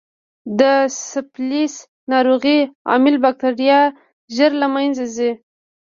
د سفلیس ناروغۍ عامل بکټریا ژر له منځه ځي.